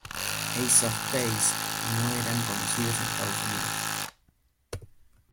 Ace of Base no eran conocidos en Estados Unidos.